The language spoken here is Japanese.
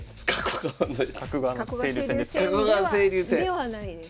ではないです。